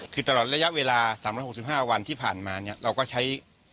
คือตลอดระยะเวลา๓๖๕วันที่ผ่านมาเนี่ยเราก็ใช้